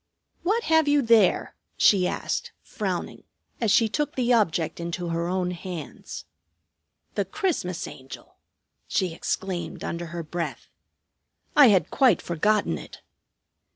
"What have you there?" she asked, frowning, as she took the object into her own hands. "The Christmas Angel!" she exclaimed under her breath. "I had quite forgotten it."